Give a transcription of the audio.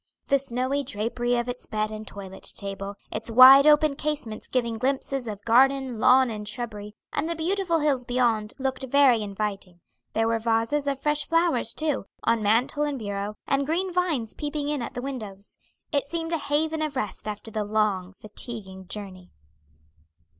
The snowy drapery of its bed and toilet table, its wide open casements giving glimpses of garden, lawn, and shrubbery, and the beautiful hills beyond, looked very inviting. There were vases of fresh flowers too, on mantel and bureau, and green vines peeping in at the windows. It seemed a haven of rest after the long, fatiguing journey.